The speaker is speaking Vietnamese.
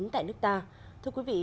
tại nước ta thưa quý vị